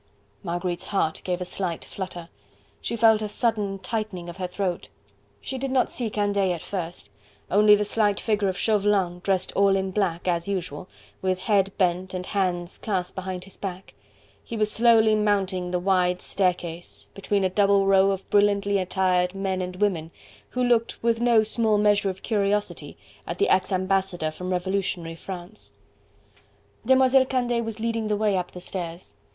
Marguerite's heart gave a slight flutter; she felt a sudden tightening of the throat. She did not see Candeille at first, only the slight figure of Chauvelin dressed all in black, as usual, with head bent and hands clasped behind his back; he was slowly mounting the wide staircase, between a double row of brilliantly attired men and women, who looked with no small measure of curiosity at the ex ambassador from revolutionary France. Demoiselle Candeille was leading the way up the stairs.